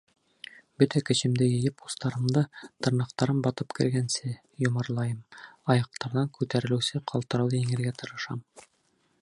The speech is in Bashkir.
Бөтә көсөмдө йыйып, устарымды, тырнаҡтарым батып кергәнсе, йомарлайым, аяҡтарҙан күтәрелеүсе ҡалтырауҙы еңергә тырышам.